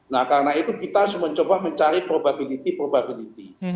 nah karena itu kita harus mencoba mencari probability probability